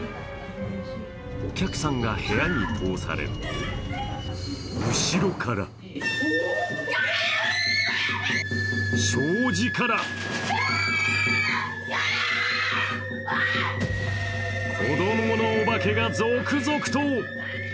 お客さんが部屋に通されると後ろから障子から子供のお化けが続々と！